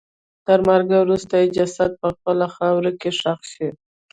تر مرګ وروسته یې جسد په خپله خاوره کې ښخ شي.